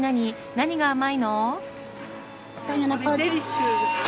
何が甘いの？